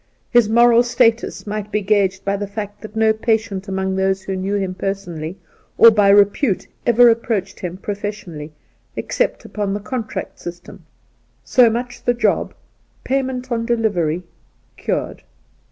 His moral status might be gauged by the fact that no patient among those who knew him personally or by re pute ever approached him professionally except upon the contract system — so much the job, pay ment on delivery, cured.